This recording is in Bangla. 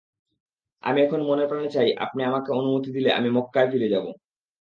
আমি এখন মনেপ্রাণে চাই, আপনি আমাকে অনুমতি দিলে আমি মক্কায় ফিরে যাব।